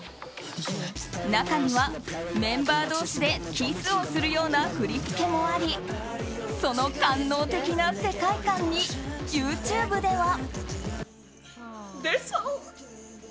中にはメンバー同士でキスをするような振り付けもありその官能的な世界観にＹｏｕＴｕｂｅでは。